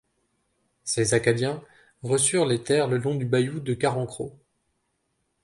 Ces Acadiens reçurent les terres le long du Bayou de Carencro.